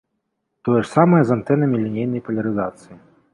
Тое ж самае з антэнамі лінейнай палярызацыі.